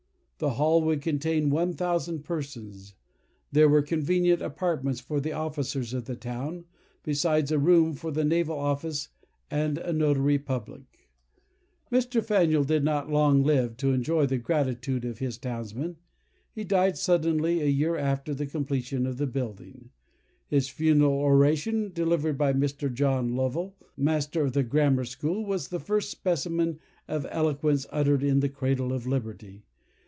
The hall would contain one thousand persons; there were convenient apartments for the officers of the town, besides a room for the naval office, and a notary public." Mr. Faneuil did not long live to enjoy the gratitude of his townsmen. He died suddenly, a year after the completion of the building. His funeral oration, delivered by Mr. John Lovell, Master of the Grammar School, was the first specimen of eloquence uttered in the "Cradle of Liberty."